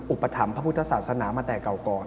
อุปถัมภ์พระพุทธศาสนามาแต่เก่าก่อน